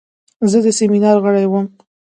زه د سیمینار غړی وم.